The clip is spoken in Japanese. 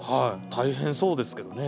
大変そうですけどね。